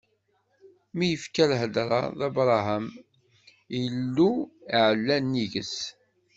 Mi yekfa lhedṛa d Abṛaham, Illu iɛella nnig-s.